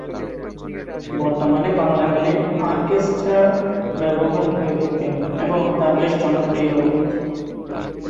বর্তমানে বাংলা গানে অর্কেস্ট্রার ব্যবহার হয়ে থাকে এবং তা বেশ জনপ্রিয়ও।